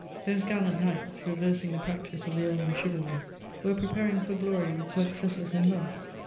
Those gallant knights, reversing the practice of the olden chivalry, were preparing for glory with successes in love.